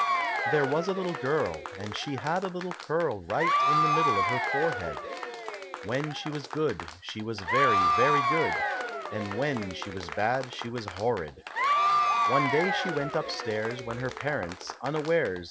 There was a little girl, And she had a little curl Right in the middle of her forehead. When she was good She was very, very good, And when she was bad she was horrid. die day she went upstairs, When her parents, unawares.